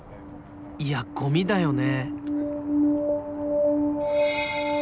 いやゴミだよね。